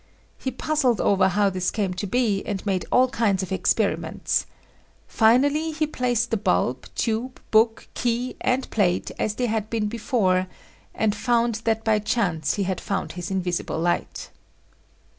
He puzzled over how this came to be and made all kinds of experiments. Finally he placed the bulb, tube, book, key and plate as they had been before and found that by chance he had found his invisible light.